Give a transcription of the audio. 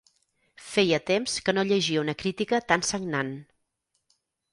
Feia temps que no llegia una crítica tan sagnant.